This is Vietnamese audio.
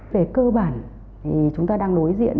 về cơ bản thì chúng ta đang đối diện